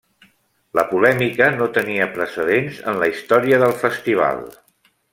La polèmica no tenia precedents en la història del festival.